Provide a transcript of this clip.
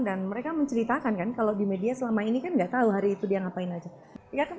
dan mereka menceritakan kan kalau di media selama ini kan gak tahu hari itu dia ngapain aja